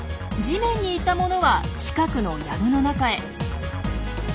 地面にいたものは近くのやぶの中へ。